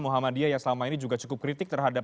muhammadiyah yang selama ini juga cukup kritik terhadap